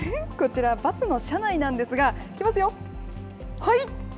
こちら、バスの車内なんですが、いきますよ、はい。